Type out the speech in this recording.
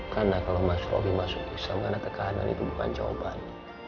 karena kalau mas robi masuk islam karena tekanan itu bukan jawaban